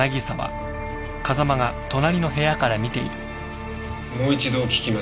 もう一度聞きます。